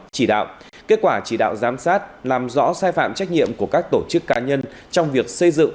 chỉ đạo kết quả chỉ đạo giám sát làm rõ sai phạm trách nhiệm của các tổ chức cá nhân trong việc xây dựng